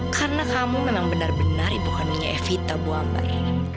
karena kamu memang benar benar ibu kandungnya evita bu ambar